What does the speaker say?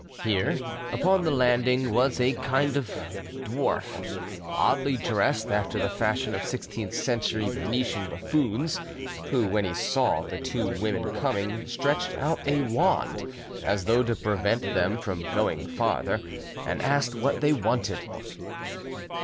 Here, upon the landing, was a kind of dwarf, oddly dressed after the fashion of sixteenth century Venetian buffoons, who, when he saw the two women coming, stretched out a wand, as though to prevent them from going farther, and asked what they wanted.